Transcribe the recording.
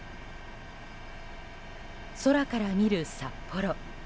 空から見る札幌。